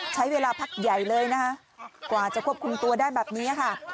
ใช้เวลาพักใหญ่เลยนะคะกว่าจะควบคุมตัวได้แบบนี้ค่ะ